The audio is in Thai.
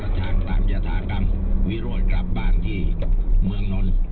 โอ้ยสุรชาติตามยาธากรรมวิโรยกลับบ้านที่เมืองน้น